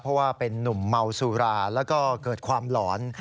เพราะว่าเป็นนุ่มเมาสุราแล้วก็เกิดความหลอน